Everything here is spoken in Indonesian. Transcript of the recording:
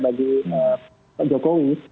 bagi pak jokowi